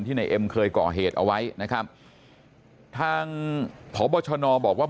ในเอ็มเคยก่อเหตุเอาไว้นะครับทางพบชนบอกว่า